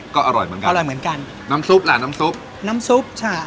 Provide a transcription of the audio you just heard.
ก็อร่อยเหมือนกันอร่อยเหมือนกันน้ำซุปล่ะน้ำซุปน้ำซุปค่ะ